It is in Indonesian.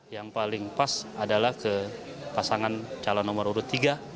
yang paling pas adalah ke pasangan calon nomor urut tiga